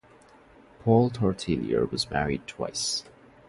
Paul Tortelier was married twice.